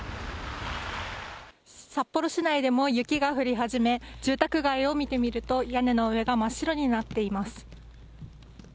札幌市内でも雪が降り始め、住宅街を見てみると、屋根の上が真っ白になっています。